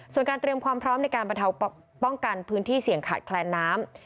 ส่วนการเตรียมความพร้อมในการบรรเทาป้องกันพื้นที่เสี่ยงขาดแคลนน้ำ